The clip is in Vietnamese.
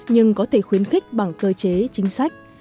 nhưng có thể khuyến khích bằng cơ chế chính sách